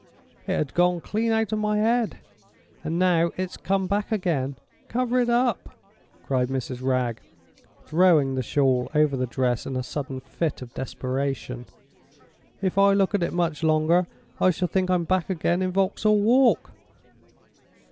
It had gone clean out of my head, and now it's come back again. Cover it up!" cried Mrs. Wragge, throwing the shawl over the dress in a sudden fit of desperation. "If I look at it much longer, I shall think I'm back again in Vauxhall Walk!"